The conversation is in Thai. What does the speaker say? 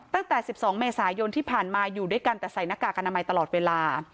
ตั้งแต่๑๒เมษายนที่ผ่านมาอยู่ด้วยกันแต่ใส่หน้ากากอนามัยตลอดเวลา